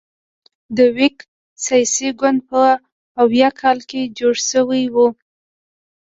د ویګ سیاسي ګوند په اویا کال کې جوړ شوی و.